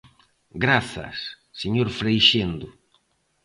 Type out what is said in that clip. Grazas, señor Freixendo.